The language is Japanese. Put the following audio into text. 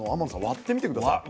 割ってみて下さい。